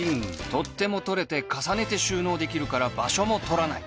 取っ手も取れて重ねて収納できるから場所も取らない！